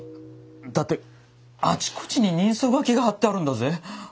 だってあちこちに人相書きが貼ってあるんだぜ。